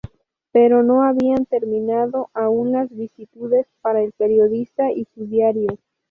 Pero no habían terminado aún las vicisitudes para el periodista y su diario.